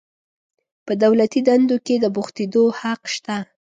په دولتي دندو کې د بوختیدو حق شته.